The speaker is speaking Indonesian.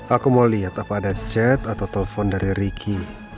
aku mau lihat apa ada chat atau telepon dari ricky